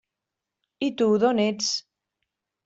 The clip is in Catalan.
I tu, d'on ets?